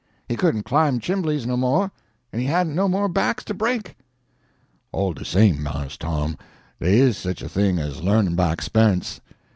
He couldn't climb chimblies no more, and he hadn't no more backs to break." "All de same, Mars Tom, dey is sich a thing as learnin' by expe'ence.